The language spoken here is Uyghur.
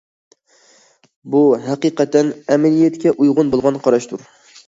بۇ ھەقىقەتەن ئەمەلىيەتكە ئۇيغۇن بولغان قاراشتۇر.